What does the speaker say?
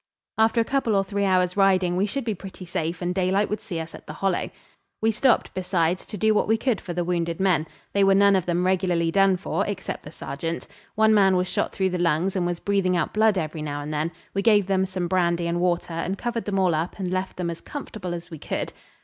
After a couple or three hours' riding we should be pretty safe, and daylight would see us at the Hollow. We stopped, besides, to do what we could for the wounded men. They were none of them regularly done for, except the sergeant. One man was shot through the lungs, and was breathing out blood every now and then. We gave them some brandy and water, and covered them all up and left them as comfortable as we could.